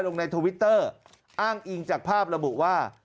ลงในทวิตเตอร์อ้างอิงจากภาพระบุว่า